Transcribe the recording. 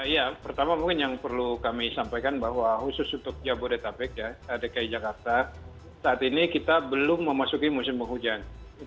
ya pertama mungkin yang perlu kami sampaikan bahwa khusus untuk jabodetabek dki jakarta saat ini kita belum memasuki musim penghujan